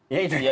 ya itu dia